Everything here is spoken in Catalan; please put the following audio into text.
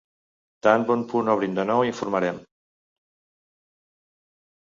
Tan bon punt obrin de nou informarem.